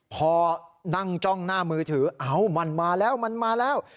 พอนั่งจ้องหน้ามือถือเอ้ามันมาแล้วมันมาแล้ว